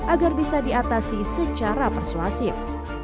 agar bisa diatasi secara persuasif